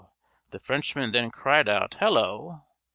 The Frenchman then cried out, 'Hallo!'